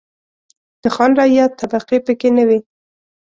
د خان-رعیت طبقې پکې نه وې.